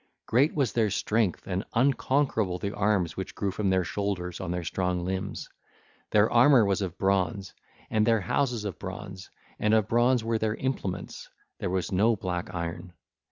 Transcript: Great was their strength and unconquerable the arms which grew from their shoulders on their strong limbs. Their armour was of bronze, and their houses of bronze, and of bronze were their implements: there was no black iron.